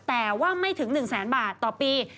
แต่ว่าไม่ถึง๑แสนบาทต่อปี